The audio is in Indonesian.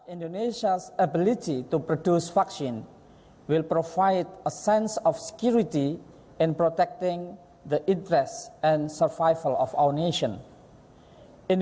indonesia memiliki kemampuan dan pengalaman